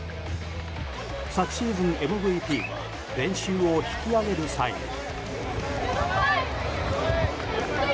昨シーズンＭＶＰは練習を引き上げる際も。